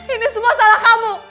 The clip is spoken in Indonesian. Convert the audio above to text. ini semua salah kamu